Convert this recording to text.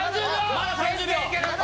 まだ３０秒！